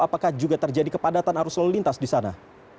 apakah juga terjadi kepadatan arus lalu lintas di sana